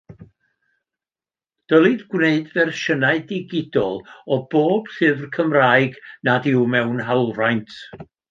Dylid gwneud fersiynau digidol o bob llyfr Cymraeg nad yw mewn hawlfraint.